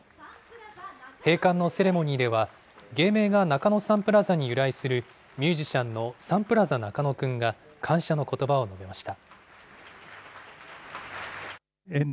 閉館のセレモニーでは、芸名が中野サンプラザに由来する、ミュージシャンのサンプラザ中野くんが感謝のことばを述べました。